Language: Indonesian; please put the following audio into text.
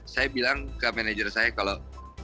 saya bilang ke manajer saya kalau